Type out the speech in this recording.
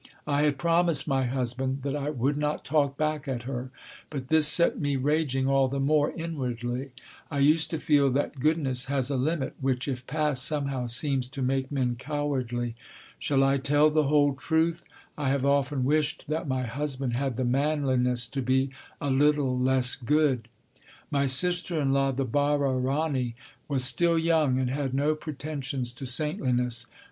I had promised my husband that I would not talk back at her, but this set me raging all the more, inwardly. I used to feel that goodness has a limit, which, if passed, somehow seems to make men cowardly. Shall I tell the whole truth? I have often wished that my husband had the manliness to be a little less good. My sister in law, the Bara Rani, was still young and had no pretensions to saintliness.